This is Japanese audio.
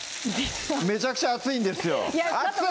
めちゃくちゃ熱いんですよ熱い！